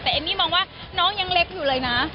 แต่เอมมี่มองว่าน้องยังเล็กอยู่เลยนะ